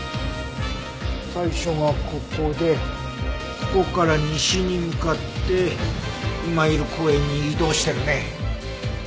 最初がここでここから西に向かって今いる公園に移動してるね。